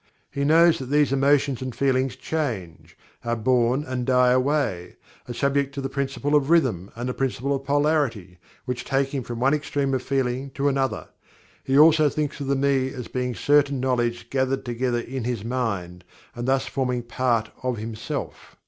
He knows that these emotions and feelings change; are born and die away; are subject to the Principle of Rhythm, and the Principle of Polarity, which take him from one extreme of feeling to another. He also thinks of the "Me" as being certain knowledge gathered together in his mind, and thus forming a part of himself.